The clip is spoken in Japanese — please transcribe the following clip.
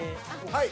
はい。